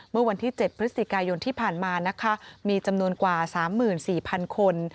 เมื่อวันที่๗พฤศจิกายนที่ผ่านมานะคะมีจำนวนกว่า๓๔๐๐๐คน